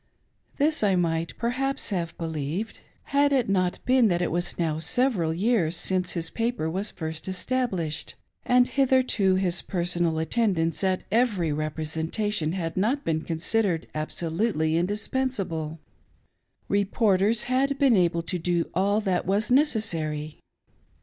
This I ijiigbt, perhaps, have believed, had it not been that it was now several years since his paper was first established, and hitherto his personal attendance at every representation had not been considered absolutely indis pensable— reporters had been able to do all that was necess^y.